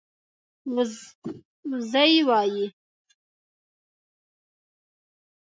وزۍ وايي